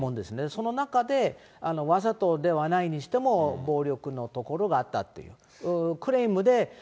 その中で、わざとではないにしても、暴力のところがあったっていう。